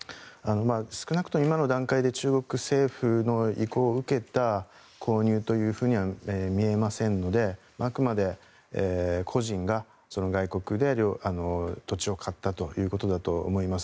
少なくとも今の段階で中国政府の意向を受けた購入というふうには見えませんのであくまで個人が外国で土地を買ったということだと思います。